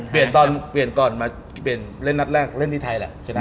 ปลี่ยนตั้งแต่ก่อนมาเล่นนัดแรกในไทยแหละ